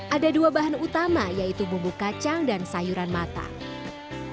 ada dua bahan utama yaitu bumbu kacang dan sayuran matang